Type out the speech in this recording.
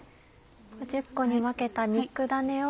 １０個に分けた肉だねを。